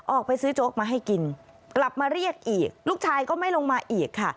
ออกไปซื้อโจ๊กมาให้กินกลับมาเรียกอีกลูกชายก็ไม่ลงมาอีกค่ะ